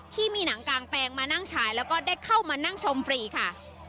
ที่มีหนังกางแปลงมานั่งฉายแล้วก็ได้เข้ามานั่งชมฟรีค่ะ